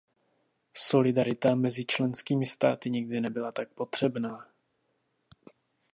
Solidarita mezi členskými státy nikdy nebyla tak potřebná.